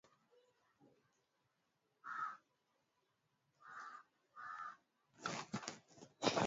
wa nchi hiyo ambao umekuwa mdororo kwa miaka mingi sasa